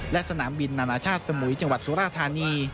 และสนามบินนานาชาติสมุยจังหวัดสุราธานี